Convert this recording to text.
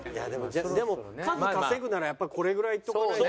でも数稼ぐならやっぱこれぐらいいっとかないと。